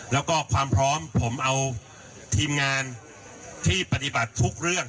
แล้วก็ความพร้อมผมเอาทีมงานที่ปฏิบัติทุกเรื่อง